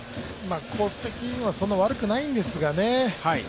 コース的にはそんなに悪くないんですがね。